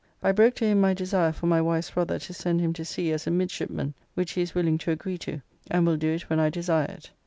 I broke to him my desire for my wife's brother to send him to sea as a midshipman, which he is willing to agree to, and will do it when I desire it.